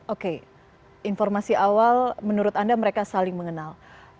oke informasi awal menurut anda mereka saling mengenal